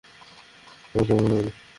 আমি তোমায় ঘৃণা করি!